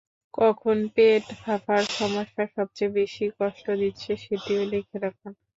কখন পেট ফাঁপার সমস্যা সবচেয়ে বেশি কষ্ট দিচ্ছে সেটিও লিখে রাখুন।